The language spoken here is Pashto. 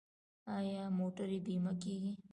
آیا موټرې بیمه کیږي؟